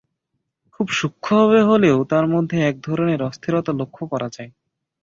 খুব সূক্ষ্মভাবে হলেও তার মধ্যে এক ধরনের অস্থিরতা লক্ষ করা যায়।